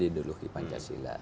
di duluhi pancasila